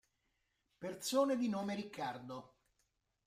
Persone di nome Ricardo